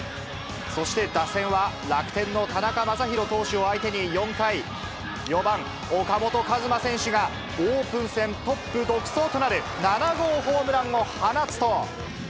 そして、打線は楽天の田中将大投手を相手に４回、４番岡本和真選手が、オープン戦トップ独走となる７号ホームランを放つと。